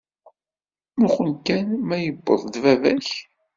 Muqqel kan ma yewweḍ-d baba-k?